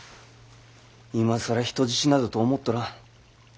今更人質などと思っとらん。